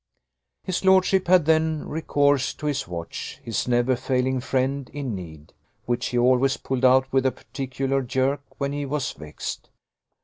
His lordship had then recourse to his watch, his never failing friend in need, which he always pulled out with a particular jerk when he was vexed.